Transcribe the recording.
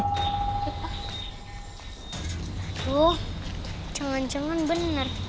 aduh jangan jangan benar